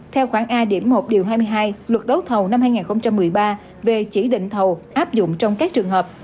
theo khoảng a điểm một điều hai mươi hai luật đấu thầu năm hai nghìn một mươi ba về chỉ định thầu áp dụng trong các trường hợp